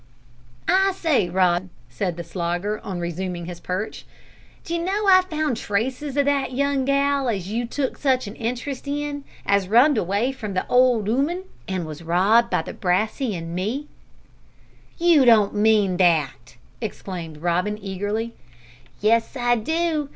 "I say, Robin," said the Slogger, on resuming his perch, "d'you know I've found traces o' that young gal as you took such a interest in, as runned away from the old 'ooman, an' was robbed by Brassey an' me?" "You don't mean that!" exclaimed Robin eagerly. "Yes I do.